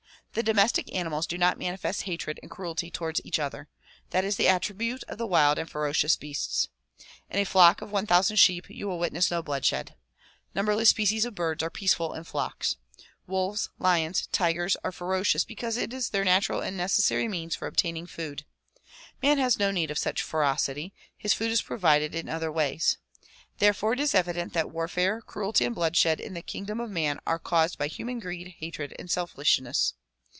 The domestic animals do not manifest hatred and cruelty toward each other; that is the attribute of the wild and ferocious beasts. In a Hock of one thousand sheep you will witness no bloodshed. Num berless species of birds are peaceful in flocks. Wolves, lions, tigers are ferocious because it is their natural and necessary means for obtaining food. Man has no need of such ferocity; his food is provided in other ways. Therefore it is evident that warfare, cruelty and bloodshed in the kingdom of man are caused by human greed, hatred and selfishness.